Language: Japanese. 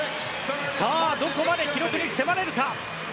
どこまで記録に迫れるか。